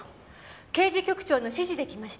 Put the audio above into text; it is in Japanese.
刑事局長の指示で来ました。